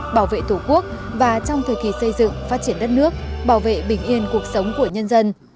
bảo vệ tổ quốc và trong thời kỳ xây dựng phát triển đất nước bảo vệ bình yên cuộc sống của nhân dân